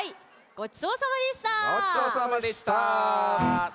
ごちそうさまでした。